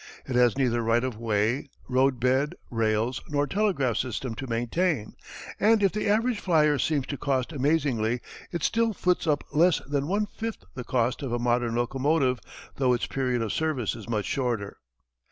It has neither right of way, road bed, rails, nor telegraph system to maintain, and if the average flyer seems to cost amazingly it still foots up less than one fifth the cost of a modern locomotive though its period of service is much shorter.